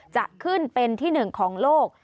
จะขึ้นเป็นที่หนึ่งของโลก